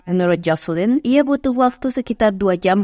menurut jocelyn ia butuh waktu sekitar dua jam